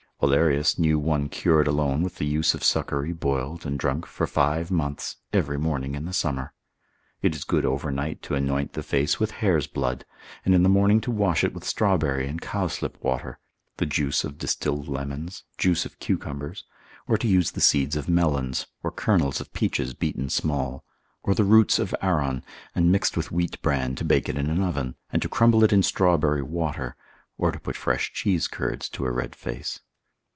Hollerius knew one cured alone with the use of succory boiled, and drunk for five months, every morning in the summer. It is good overnight to anoint the face with hare's blood, and in the morning to wash it with strawberry and cowslip water, the juice of distilled lemons, juice of cucumbers, or to use the seeds of melons, or kernels of peaches beaten small, or the roots of Aron, and mixed with wheat bran to bake it in an oven, and to crumble it in strawberry water, or to put fresh cheese curds to a red face.